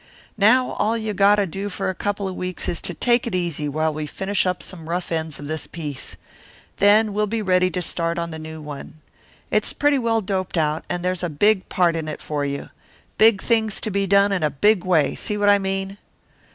Now all you got to do for a couple of weeks is to take it easy while we finish up some rough ends of this piece. Then we'll be ready to start on the new one. It's pretty well doped out, and there's a big part in it for you big things to be done in a big way, see what I mean."